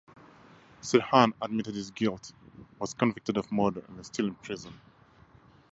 Sirhan admitted his guilt, was convicted of murder, and is still in prison.